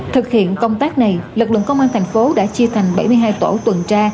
thực hiện công tác này lực lượng công an thành phố đã chia thành bảy mươi hai tổ tuần tra